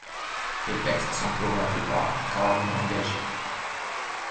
Les textes sont pour la plupart graves et engagés.